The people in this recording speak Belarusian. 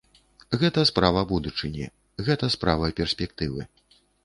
Гэта справа будучыні, гэта справа перспектывы.